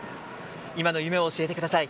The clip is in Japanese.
今の夢を教えてくださ